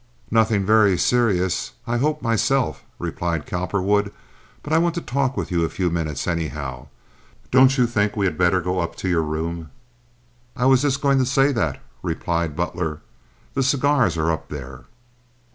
"Nothing very serious, I hope myself," replied Cowperwood, "But I want to talk with you a few minutes, anyhow. Don't you think we had better go up to your room?" "I was just going to say that," replied Butler—"the cigars are up there."